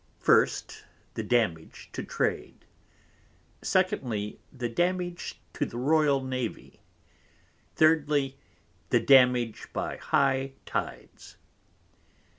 First, The Damage to Trade. Secondly, The Damage to the Royal Navy. Thirdly, The Damage by High Tides.